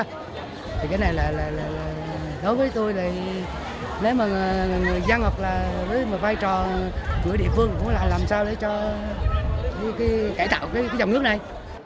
thì cái này là đối với tôi là nếu mà người dân hoặc là với một vai trò của địa phương cũng là làm sao để cho cải tạo cái dòng nước này